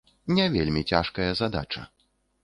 Не вельмі цяжкая задача.